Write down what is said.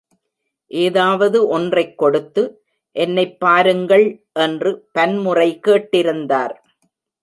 ஏதாவது ஒன்றைக் கொடுத்து, என்னைப் பாருங்கள்! என்று பன்முறை கேட்டிருந்தார்.